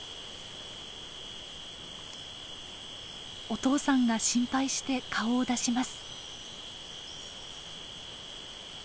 お父さんが心配して顔を出します。